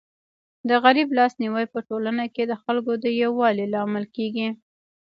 د غریب لاس نیوی په ټولنه کي د خلکو د یووالي لامل کيږي.